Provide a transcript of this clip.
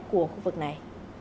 của khu vực này